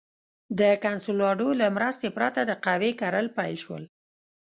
د کنسولاډو له مرستې پرته د قهوې کرل پیل شول.